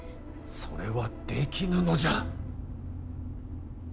それはできぬのじゃ。